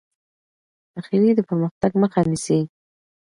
بخیلي د پرمختګ مخه نیسي.